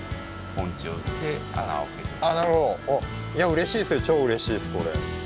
うれしいですよ、超うれしいですこれ。